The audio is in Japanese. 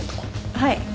はい。